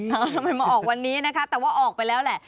ทำไมมาออกวันนี้นะคะแต่ว่าออกไปแล้วแหละ